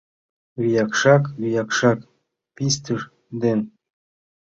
Виякшак-виякшак пистыж ден